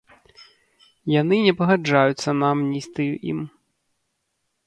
Яны не пагаджаюцца на амністыю ім.